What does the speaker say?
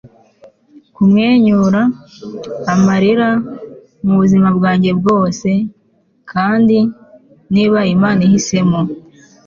kumwenyura, amarira, mubuzima bwanjye bwose!; kandi, niba imana ihisemo